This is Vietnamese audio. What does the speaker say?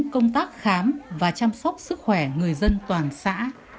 công tác khám và chăm sóc sức khỏe người dân toàn xã